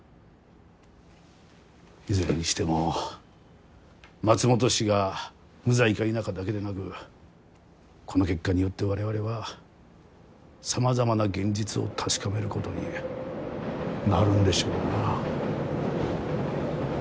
いずれにしても松本氏が無罪か否かだけでなくこの結果によって我々はさまざまな現実を確かめることになるんでしょうな。